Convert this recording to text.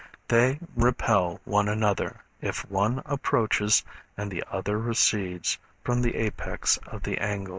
They repel one another, if one approaches and the other recedes from the apex of the angle.